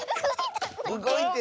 うごいた？